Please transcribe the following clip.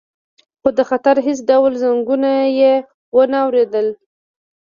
خو د خطر هیڅ ډول زنګونه یې ونه اوریدل